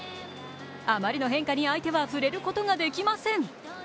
あまりの変化に相手は触れることができません。